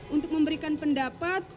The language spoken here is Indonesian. untuk memberikan pendapat